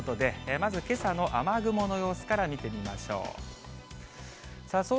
まずけさの雨雲の様子から見てみましょう。